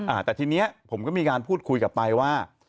อ่าแต่ทีนี้ผมก็มีการพูดคุยกลับไปว่า